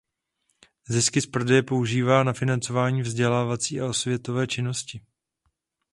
Zisky z prodeje používá na financování vzdělávací a osvětové činnosti.